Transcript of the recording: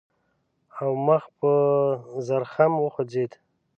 او مخ په زرخم وخوځېد.